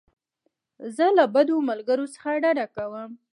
زه له بدو ملګرو څخه ډډه کوم.